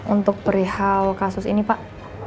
untuk perihal kasus ini pak